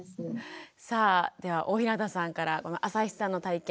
さあでは大日向さんからあさひさんの体験